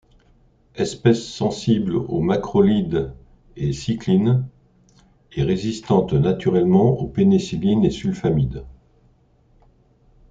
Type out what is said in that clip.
Espèce sensible aux macrolides et cyclines et résistante naturellement aux pénicillines et sulfamides.